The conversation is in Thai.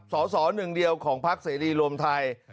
สอสอหนึ่งเดียวของพักเสรีรวมไทย